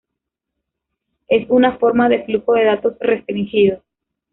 Es una forma de flujo de datos restringido.